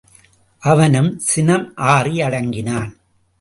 அவனும் சினம் ஆறி அடங்கினான்.